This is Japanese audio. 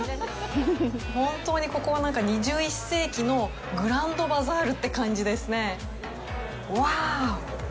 本当に、ここは２１世紀のグランドバザールって感じですね。